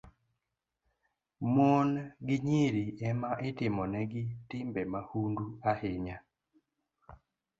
Mon gi nyiri e ma itimonegi timbe mahundu ahinya